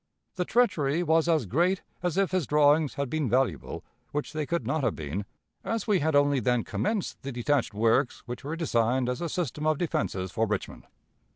The treachery was as great as if his drawings had been valuable, which they could not have been, as we had only then commenced the detached works which were designed as a system of defenses for Richmond.